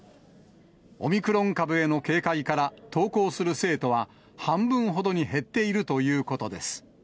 オミクロン株への警戒から、登校する生徒は半分ほどに減っているということです。